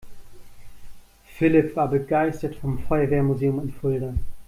Philipp war begeistert vom Feuerwehrmuseum in Fulda.